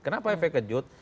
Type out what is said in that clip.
kenapa efek kejut